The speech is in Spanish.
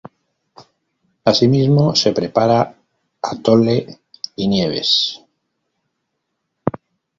Así mismo se prepara atole y nieves.